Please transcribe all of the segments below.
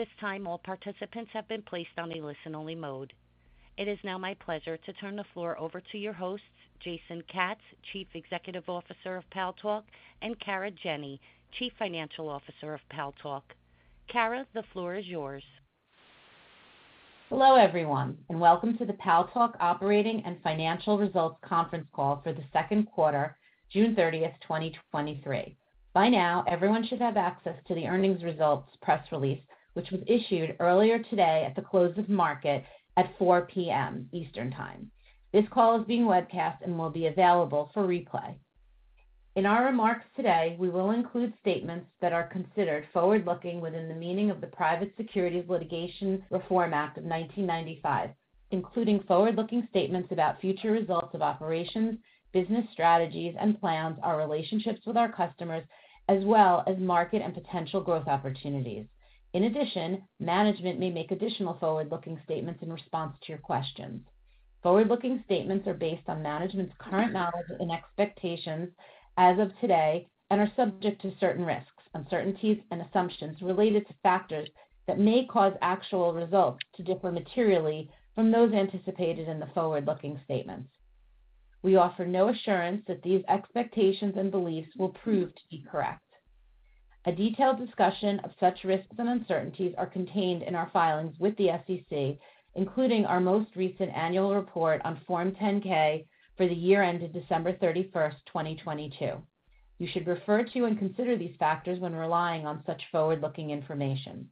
At this time, all participants have been placed on a listen-only mode. It is now my pleasure to turn the floor over to your hosts, Jason Katz, Chief Executive Officer of Paltalk, and Kara Jenny, Chief Financial Officer of Paltalk. Kara, the floor is yours. Hello, everyone, welcome to the Paltalk Operating and Financial Results conference call for the second quarter, June 30th, 2023. By now, everyone should have access to the earnings results press release, which was issued earlier today at the close of market at 4:00 P.M. Eastern Time. This call is being webcast and will be available for replay. In our remarks today, we will include statements that are considered forward-looking within the meaning of the Private Securities Litigation Reform Act of 1995, including forward-looking statements about future results of operations, business strategies and plans, our relationships with our customers, as well as market and potential growth opportunities. In addition, management may make additional forward-looking statements in response to your questions. Forward-looking statements are based on management's current knowledge and expectations as of today and are subject to certain risks, uncertainties and assumptions related to factors that may cause actual results to differ materially from those anticipated in the forward-looking statements. We offer no assurance that these expectations and beliefs will prove to be correct. A detailed discussion of such risks and uncertainties are contained in our filings with the SEC, including our most recent annual report on Form 10-K for the year ended December 31st, 2022. You should refer to and consider these factors when relying on such forward-looking information.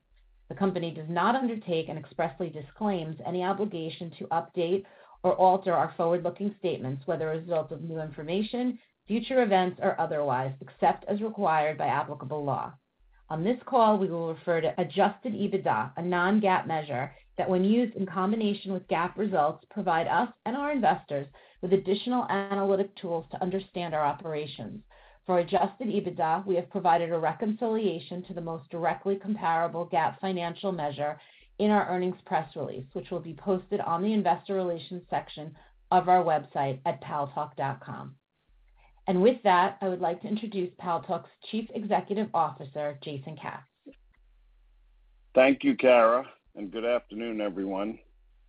The company does not undertake and expressly disclaims any obligation to update or alter our forward-looking statements, whether as a result of new information, future events, or otherwise, except as required by applicable law. On this call, we will refer to Adjusted EBITDA, a non-GAAP measure that, when used in combination with GAAP results, provide us and our investors with additional analytic tools to understand our operations. For Adjusted EBITDA, we have provided a reconciliation to the most directly comparable GAAP financial measure in our earnings press release, which will be posted on the investor relations section of our website at paltalk.com. With that, I would like to introduce Paltalk's Chief Executive Officer, Jason Katz. Thank you, Kara, and good afternoon, everyone.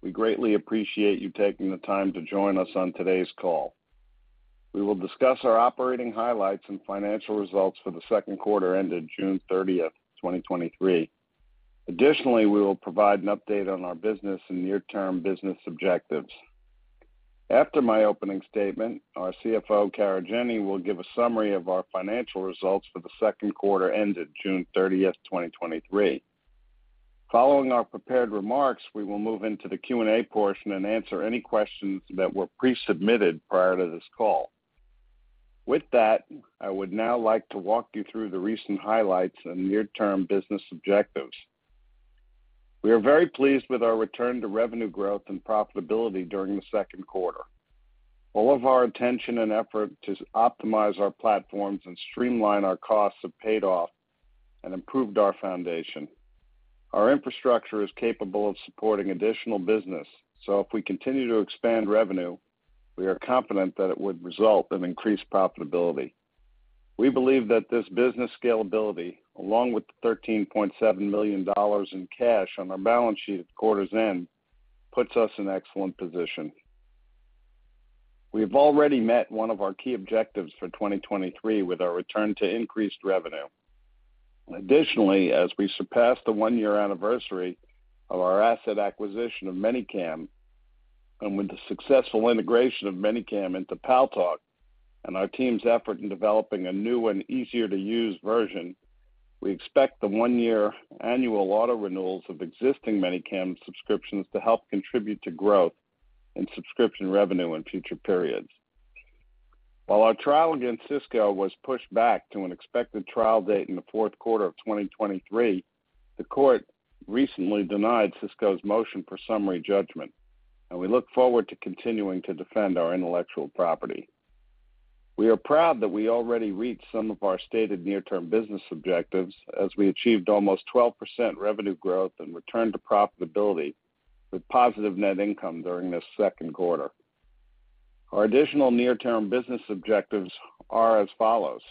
We greatly appreciate you taking the time to join us on today's call. We will discuss our operating highlights and financial results for the second quarter ended June 30, 2023. Additionally, we will provide an update on our business and near-term business objectives. After my opening statement, our CFO, Kara Jenny, will give a summary of our financial results for the second quarter ended June 30, 2023. Following our prepared remarks, we will move into the Q&A portion and answer any questions that were pre-submitted prior to this call. With that, I would now like to walk you through the recent highlights and near-term business objectives. We are very pleased with our return to revenue growth and profitability during the second quarter. All of our attention and effort to optimize our platforms and streamline our costs have paid off and improved our foundation. Our infrastructure is capable of supporting additional business, so if we continue to expand revenue, we are confident that it would result in increased profitability. We believe that this business scalability, along with the $13.7 million in cash on our balance sheet at quarter's end, puts us in excellent position. We have already met one of our key objectives for 2023 with our return to increased revenue. Additionally, as we surpass the 1-year anniversary of our asset acquisition of ManyCam, and with the successful integration of ManyCam into Paltalk and our team's effort in developing a new and easier-to-use version, we expect the 1-year annual auto renewals of existing ManyCam subscriptions to help contribute to growth in subscription revenue in future periods. While our trial against Cisco was pushed back to an expected trial date in the fourth quarter of 2023, the court recently denied Cisco's motion for summary judgment, and we look forward to continuing to defend our intellectual property. We are proud that we already reached some of our stated near-term business objectives, as we achieved almost 12% revenue growth and returned to profitability with positive net income during this second quarter. Our additional near-term business objectives are as follows: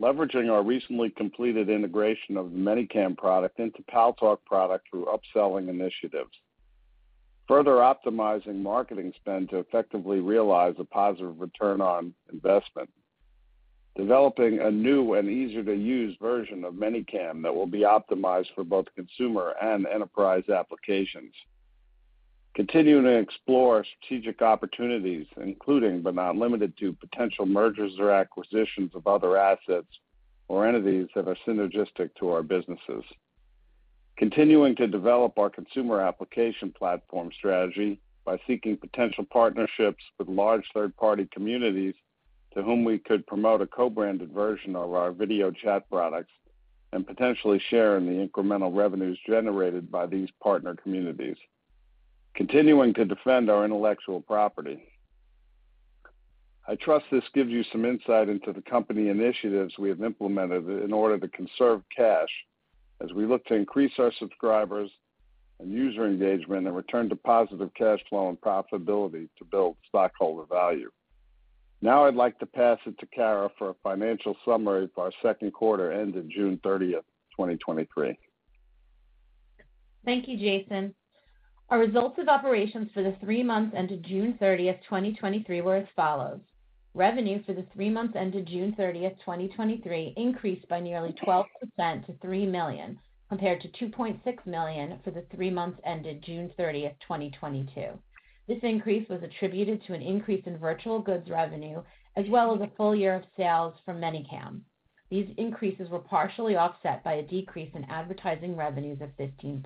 leveraging our recently completed integration of ManyCam product into Paltalk product through upselling initiatives, further optimizing marketing spend to effectively realize a positive return on investment, developing a new and easier-to-use version of ManyCam that will be optimized for both consumer and enterprise applications, continuing to explore strategic opportunities, including but not limited to, potential mergers or acquisitions of other assets or entities that are synergistic to our businesses. Continuing to develop our consumer application platform strategy by seeking potential partnerships with large third-party communities to whom we could promote a co-branded version of our video chat products and potentially share in the incremental revenues generated by these partner communities. Continuing to defend our intellectual property. I trust this gives you some insight into the company initiatives we have implemented in order to conserve cash as we look to increase our subscribers and user engagement and return to positive cash flow and profitability to build stockholder value. I'd like to pass it to Kara for a financial summary of our second quarter ended June 30th, 2023. Thank you, Jason. Our results of operations for the 3 months ended June 30th, 2023, were as follows: Revenue for the 3 months ended June 30th, 2023, increased by nearly 12% to $3 million, compared to $2.6 million for the 3 months ended June 30th, 2022. This increase was attributed to an increase in virtual goods revenue, as well as a full year of sales from ManyCam. These increases were partially offset by a decrease in advertising revenues of 15%.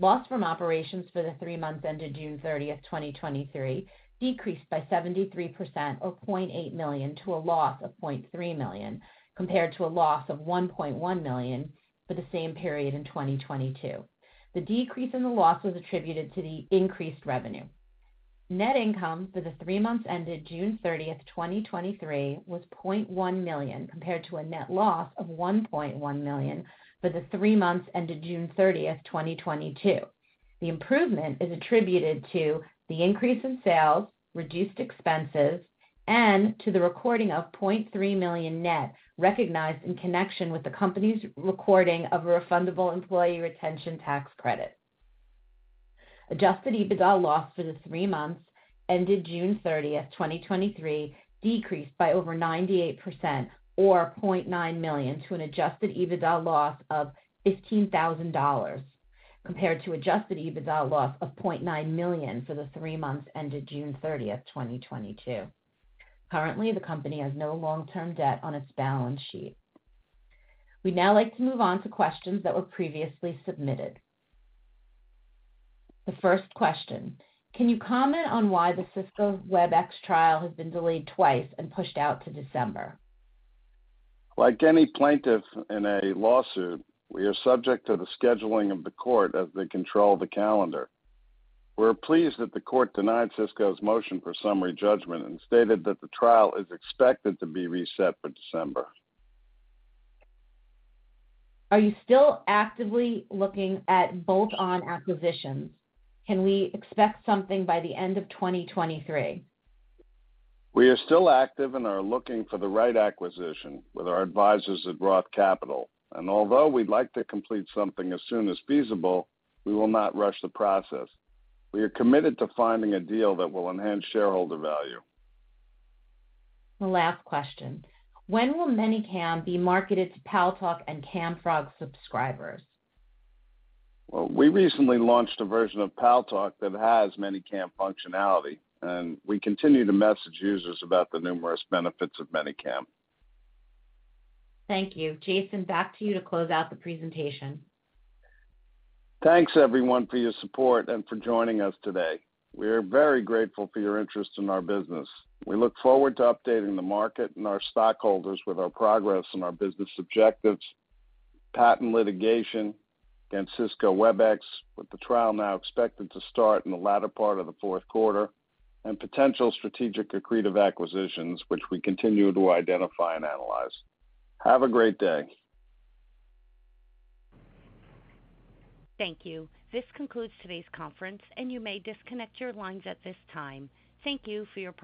Loss from operations for the 3 months ended June 30th, 2023, decreased by 73% or $0.8 million to a loss of $0.3 million, compared to a loss of $1.1 million for the same period in 2022. The decrease in the loss was attributed to the increased revenue. Net income for the three months ended June 30, 2023, was $0.1 million, compared to a net loss of $1.1 million for the three months ended June 30, 2022. The improvement is attributed to the increase in sales, reduced expenses, and to the recording of $0.3 million net, recognized in connection with the company's recording of a refundable Employee Retention Tax Credit. Adjusted EBITDA loss for the three months ended June 30, 2023, decreased by over 98% or $0.9 million, to an Adjusted EBITDA loss of $15,000, compared to Adjusted EBITDA loss of $0.9 million for the three months ended June 30, 2022. Currently, the company has no long-term debt on its balance sheet. We'd now like to move on to questions that were previously submitted. The first question: Can you comment on why the Cisco Webex trial has been delayed twice and pushed out to December? Like any plaintiff in a lawsuit, we are subject to the scheduling of the court, as they control the calendar. We're pleased that the court denied Cisco's motion for summary judgment and stated that the trial is expected to be reset for December. Are you still actively looking at bolt-on acquisitions? Can we expect something by the end of 2023? We are still active and are looking for the right acquisition with our advisors at Roth Capital. Although we'd like to complete something as soon as feasible, we will not rush the process. We are committed to finding a deal that will enhance shareholder value. The last question: When will ManyCam be marketed to Paltalk and Camfrog subscribers? Well, we recently launched a version of Paltalk that has ManyCam functionality, and we continue to message users about the numerous benefits of ManyCam. Thank you. Jason, back to you to close out the presentation. Thanks, everyone, for your support and for joining us today. We are very grateful for your interest in our business. We look forward to updating the market and our stockholders with our progress and our business objectives, patent litigation against Cisco Webex, with the trial now expected to start in the latter part of the fourth quarter, and potential strategic accretive acquisitions, which we continue to identify and analyze. Have a great day! Thank you. This concludes today's conference, and you may disconnect your lines at this time. Thank you for your participation.